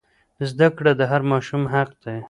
زده کړه د هر ماشوم حق دی.